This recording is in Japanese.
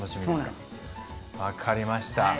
分かりました。